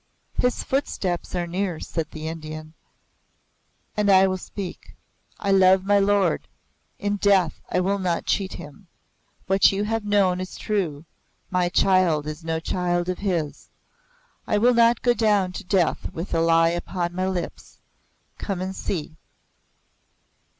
"His footsteps are near," said the Indian. "I will speak. I love my lord. In death I will not cheat him. What you have known is true. My child is no child of his. I will not go down to death with a lie upon my lips. Come and see."